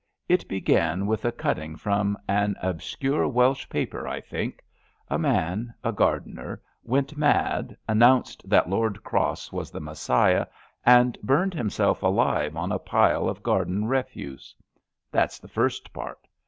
It be gan with a cutting from an obscure Welsh paper, I think. A man — a gardener — ^went mad, an nounced that Lord Cross was the Messiah and burned himself alive on a pile of garden refuse. That's the first part.